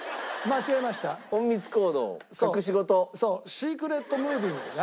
シークレットムービングが。